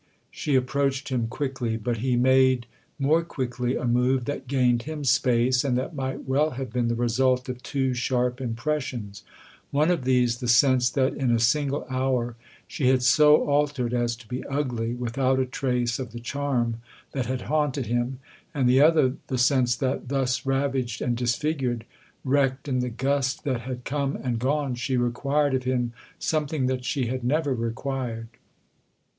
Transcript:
" She approached him quickly, but he made, more quickly, a move that gained him space and that might well have been the result of two sharp impressions : one of these the sense that in a single hour she had so altered as to be ugly, without a trace of the charm that had haunted him ; and the other the sense that, thus ravaged and dis figured, wrecked in the gust that had come and gone, she required of him something that she had never required.